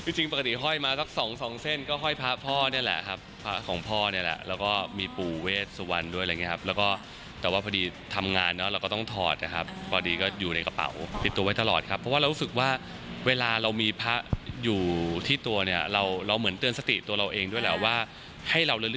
จริงปกติห้อยมาสักสองสองเส้นก็ห้อยพระพ่อนี่แหละครับพระของพ่อเนี่ยแหละแล้วก็มีปู่เวชสุวรรณด้วยอะไรอย่างเงี้ครับแล้วก็แต่ว่าพอดีทำงานเนอะเราก็ต้องถอดนะครับพอดีก็อยู่ในกระเป๋าติดตัวไว้ตลอดครับเพราะว่าเรารู้สึกว่าเวลาเรามีพระอยู่ที่ตัวเนี่ยเราเราเหมือนเตือนสติตัวเราเองด้วยแหละว่าให้เราล